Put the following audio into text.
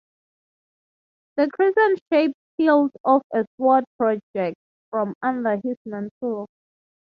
The crescent-shaped hilt of a sword projects from under his mantle.